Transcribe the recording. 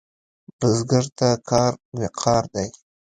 بزګر ته کار وقار دی